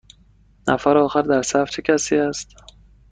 نفر آخر در صف چه کسی است؟